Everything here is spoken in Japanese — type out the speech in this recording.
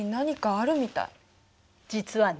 実はね。